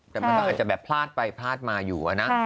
แต่มันก็อาจจะแบบพลาดไปพลาดมาอยู่อะนะ